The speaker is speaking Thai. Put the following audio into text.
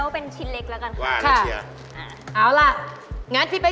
โปรดติดตามต่อไป